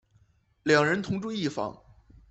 两人同住一房。